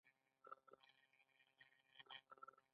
آیا د وطن ساتنه فرض نه ده؟